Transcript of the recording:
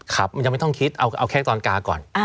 มันจะไม่ต้องคิดเอาแค่ตอนกาก่อน